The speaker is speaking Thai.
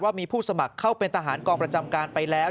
มีผู้สมัครเข้าเป็นทหารกองประจำการไปแล้ว